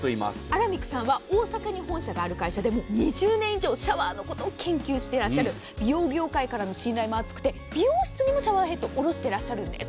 アラミックさんは大阪に本社がある会社で２０年以上シャワーのことを研究していらっしゃる美容業界からの信用も厚くて美容室にもシャワーヘッド卸してらっしゃるんです。